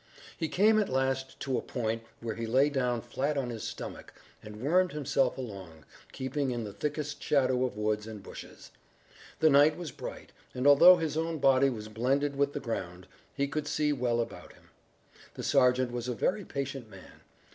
He came at last to a point where he lay down flat on his stomach and wormed himself along, keeping in the thickest shadow of woods and bushes. The night was bright, and although his own body was blended with the ground, he could see well about him. The sergeant was a very patient man.